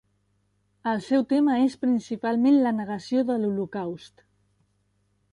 El seu tema és principalment la negació de l'Holocaust.